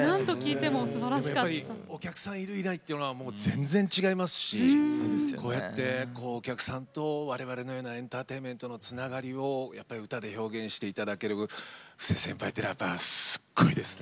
やっぱりお客さんいるいないというのは全然、違いますしこうやってお客さんと我々のようなエンターテインメントのつながりをやっぱり歌で表現していただける布施先輩っていうのはすごいですね。